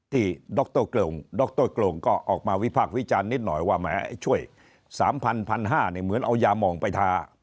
ดรงดรกรงก็ออกมาวิพากษ์วิจารณนิดหน่อยว่าแหมช่วย๓๐๐๑๕๐๐บาทเหมือนเอายามองไปทา